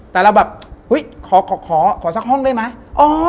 แต่เราแบบขอซักห้องได้ไหม